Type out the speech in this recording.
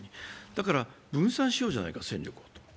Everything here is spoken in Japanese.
だから戦力を分散しようじゃないかと。